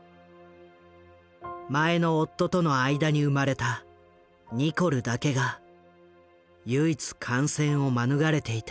前の夫との間に生まれたニコルだけが唯一感染を免れていた。